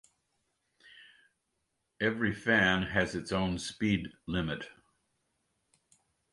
Every fan has its own speed limit.